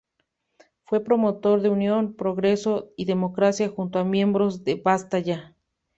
Fue promotor de Unión, Progreso y Democracia, junto a miembros de ¡Basta Ya!